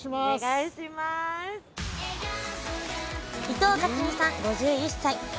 伊藤克己さん５１歳。